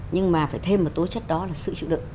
nhưng mà phải thêm một tố chất đó là sự chịu đựng